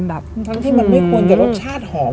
ทั้งที่มันไม่ควรจะรสชาติหอม